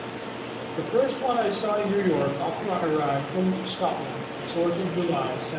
"The first one I saw in New York after I arrived from Scotland, the Fourth of July, 1794.